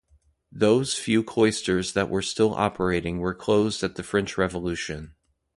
Those few cloisters that were still operating were closed at the French Revolution.